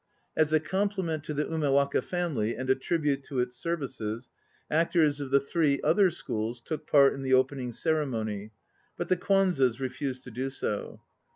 As a compli ment to the Umewaka family and a tribute to its services, actors of the three other "schools" took part in the opening ceremony, but the Kwanzes refused to do so.